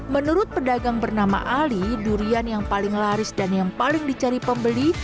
menurut pedagang bernama ali durian yang paling laris dan yang paling dicari pembeli